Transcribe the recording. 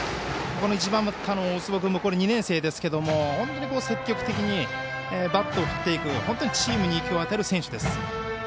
１番バッターの大坪君も２年生ですが本当に積極的にバットを振っていくチームに勢いを与える選手です。